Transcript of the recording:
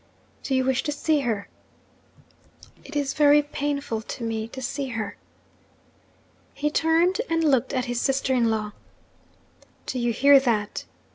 'Do you wish to see her?' 'It is very painful to me to see her.' He turned and looked at his sister in law. 'Do you hear that?'